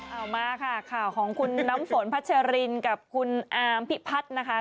เอามาค่ะข่าวของคุณน้ำฝนพัชรินกับคุณอามพิพัฒน์นะคะ